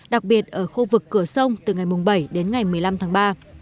đặc biệt ở khu vực cửa sông từ ngày bảy đến ngày một mươi năm tháng ba